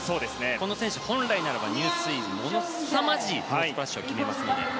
この選手、本来ならば入水すさまじいノースプラッシュを決めますので。